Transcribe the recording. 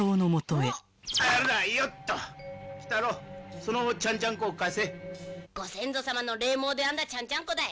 「あらよっと」「鬼太郎そのちゃんちゃんこを貸せ」「ご先祖さまの霊毛で編んだちゃんちゃんこだい」